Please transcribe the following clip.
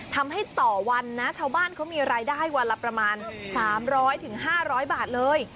ทำให้ต่อวันนะชาวบ้านเขามีรายได้วันละประมาณสามร้อยถึงห้าร้อยบาทเลย